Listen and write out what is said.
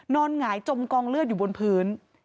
หงายจมกองเลือดอยู่บนพื้น